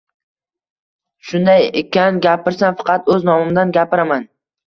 Shunday ekan, gapirsam faqat o‘z nomimdan gapiraman